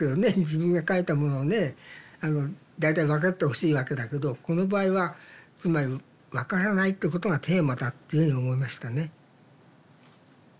自分が書いたものをね大体わかってほしいわけだけどこの場合はつまりわからないってことがテーマだっていうふうに思いましたね。